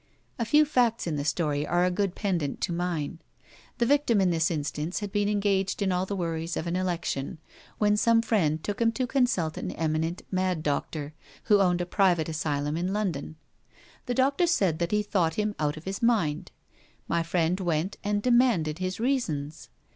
A few facts in the story are a good pendant to mine. The victim in this instance had been engaged in all the worries of an election, when some friend took him to consult an eminent mad doctor, who owned a private asylum in London. The doctor said that he thought him out of his mind. My friend went and demanded his reasons.